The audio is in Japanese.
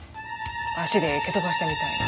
足で蹴飛ばしたみたいに。